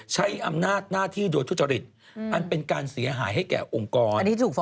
ใช้อำนาจหน้าที่โดยทุจริตอันเป็นการเสียหายให้แก่องค์กร